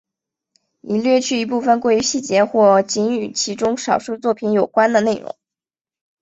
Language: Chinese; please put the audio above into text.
已略去一部分过于细节或仅与其中少数作品有关的内容。